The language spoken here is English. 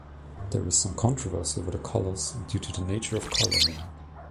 There is some controversy over the colors, due to the nature of the coloring.